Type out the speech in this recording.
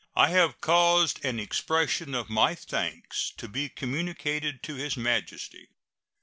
I have caused an expression of my thanks to be communicated to His Majesty.